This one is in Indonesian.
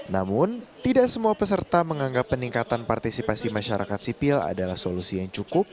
namun tidak semua peserta menganggap peningkatan partisipasi masyarakat sipil adalah solusi yang cukup